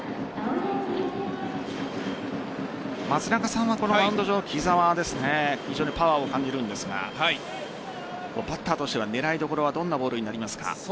松中さんは、マウンド上の木澤非常にパワーを感じるんですがバッターとしては狙いどころはどんなボールになりますか？